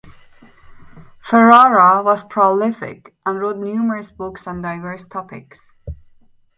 Ferrara was prolific and wrote numerous books on diverse topics.